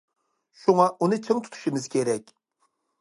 شۇڭا، ئۇنى چىڭ تۇتىشىمىز كېرەك.